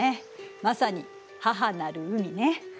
まさに母なる海ね。